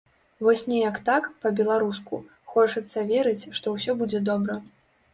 Вось неяк так, па-беларуску, хочацца верыць, што ўсё будзе добра.